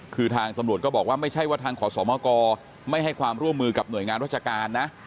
คือทางตำรวจก็บอกว่าไม่ใช่ว่าทางขอสมกไม่ให้ความร่วมมือกับหน่วยงานราชการนะ